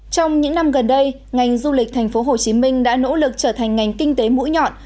trong những năm gần đây ngành du lịch thành phố hồ chí minh đã nỗ lực trở thành ngành kinh tế mũi nhọn